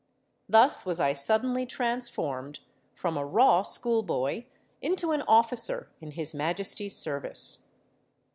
Thus was I suddenly transformed from a raw school boy into an officer in His Majesty's service.